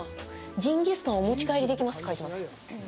ジンギスカンお持ち帰りできますって書いてます。